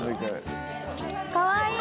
かわいい！